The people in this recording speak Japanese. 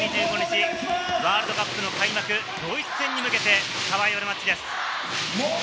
８月２５日、ワールドカップの開幕、ドイツ戦に向けてサバイバルマッチです。